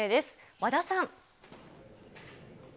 和田さん。